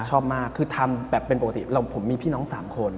ชอบมากคือทำแบบเป็นปกติแล้วผมมีพี่น้อง๓คน